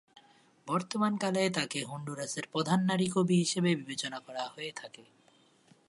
বর্তমানকালে তাকে হন্ডুরাসের প্রধান নারী কবি হিসাবে বিবেচনা করা হয়ে থাকে।